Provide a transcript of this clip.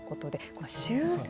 この修繕。